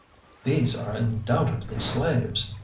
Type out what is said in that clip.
These are undoubtedly slaves